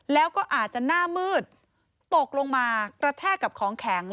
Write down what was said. แล้วก็อาจจะหน้ามืดตกลงมากระแทกกับของแข็ง